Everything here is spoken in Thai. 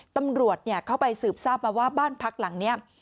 ตำรวจเข้าไปสืบทราบมาว่าบ้านพักหลังนี้